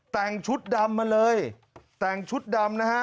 แต่งชุดดำมาเลยแต่งชุดดำนะฮะ